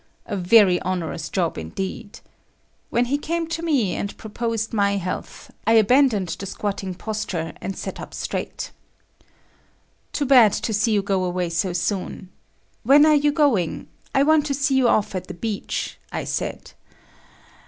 A very onerous job, indeed. When he came to me and proposed my health, I abandoned the squatting posture and sat up straight. "Too bad to see you go away so soon. When are you going? I want to see you off at the beach," I said.